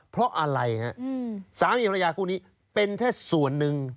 เพราะอะไรฮะสามีภรรยาคู่นี้เป็นแค่ส่วนหนึ่ง